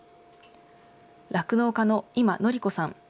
酪農家の今範子さん。